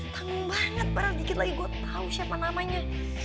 tanggung banget padahal dikit lagi gue tau siapa namanya